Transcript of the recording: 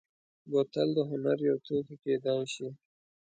بوتل د هنر یو توکی کېدای شي.